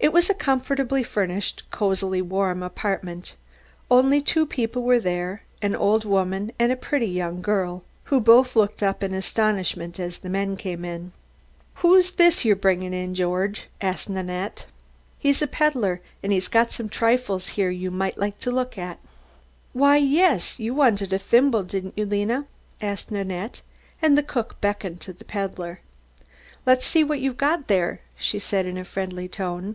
It was a comfortably furnished and cozily warm apartment. Only two people were there, an old woman and a pretty young girl, who both looked up in astonishment as the men came in. "Who's this you're bringing in, George?" asked Nanette. "He's a peddler and he's got some trifles here you might like to look at." "Why, yes, you wanted a thimble, didn't you, Lena?" asked Nanette, and the cook beckoned to the peddler. "Let's see what you've got there," she said in a friendly tone.